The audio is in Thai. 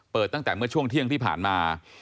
ตั้งแต่เมื่อช่วงเที่ยงที่ผ่านมา